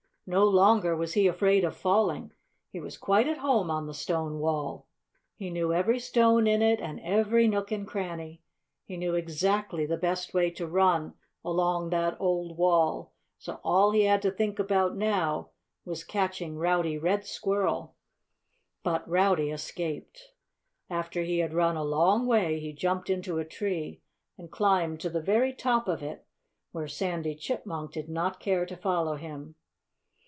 No longer was he afraid of falling. He was quite at home on the stone wall. He knew every stone in it, and every nook and cranny. He knew exactly the best way to run along that old wall. So all he had to think about now was catching Rowdy Red Squirrel. But Rowdy escaped. After he had run a long way he jumped into a tree and climbed to the very top of it, where Sandy Chipmunk did not care to follow him.